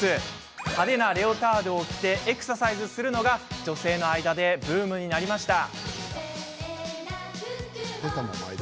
派手なレオタードを着てエクササイズするのが女性の間でブームになりました。